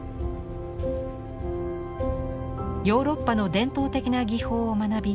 ヨーロッパの伝統的な技法を学び